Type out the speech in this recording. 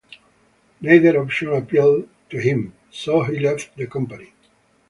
Neither option appealed to him, so he left the company.